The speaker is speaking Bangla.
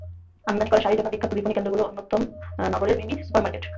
আমদানি করা শাড়ির জন্য বিখ্যাত বিপণিকেন্দ্রগুলোর অন্যতম নগরের মিমি সুপার মার্কেট।